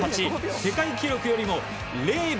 世界記録よりも０秒